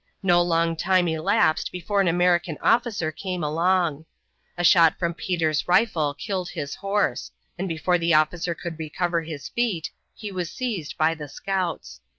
No long time elapsed before an American officer came along. A shot from Peter's rifle killed his horse, and before the officer could recover his feet, he was seized by the scouts.